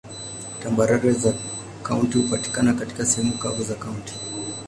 Tambarare za kaunti hupatikana katika sehemu kavu za kaunti.